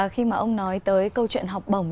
khi mà ông nói tới câu chuyện học bổng